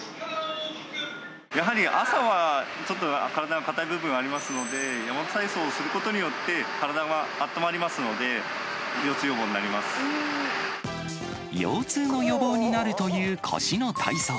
やはり朝はちょっと体が硬い部分がありますので、ヤマト体操をすることによって、体が温まり腰痛の予防になるという腰の体操。